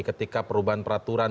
ketika perubahan peraturan